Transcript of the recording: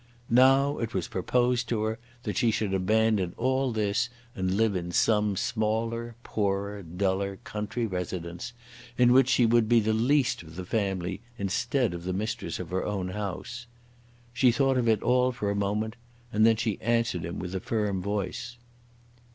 Now it was proposed to her that she should abandon all this and live in some smaller, poorer, duller country residence, in which she would be the least of the family instead of the mistress of her own house. She thought of it all for a moment, and then she answered him with a firm voice.